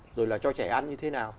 rồi là cho trẻ ăn như thế nào